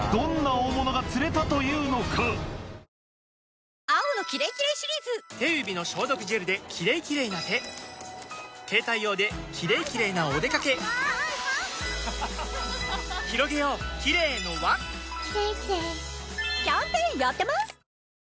そして手指の消毒ジェルで「キレイキレイ」な手携帯用で「キレイキレイ」なおでかけひろげようキレイの輪キャンペーンやってます！